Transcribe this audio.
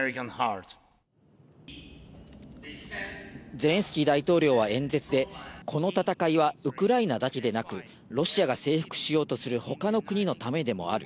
ゼレンスキー大統領は演説で、この戦いはウクライナだけでなく、ロシアが征服しようとする他の国のためでもある。